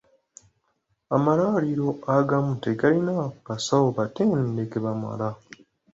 Amalwaliro agamu tegalina basawo batendeke bamala.